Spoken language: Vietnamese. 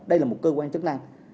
đây là một cơ quan chức năng